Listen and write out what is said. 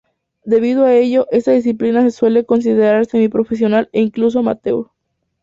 Debido a ello esta disciplina se suele considerar semi-profesional e incluso amateur.